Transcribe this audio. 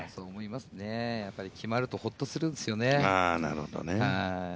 決まるとホッとするんですよね。